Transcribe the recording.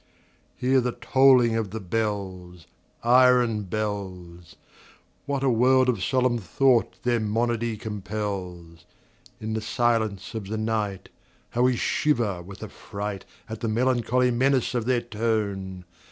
Hear the tolling of the bells, Iron bells! What a world of solemn thought their monody compels! In the silence of the nightHow we shiver with affrightAt the melancholy menace of their tone!